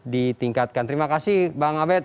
ditingkatkan terima kasih bang abed